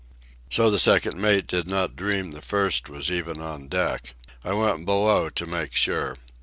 So the second mate did not dream the first was even on deck. I went below to make sure.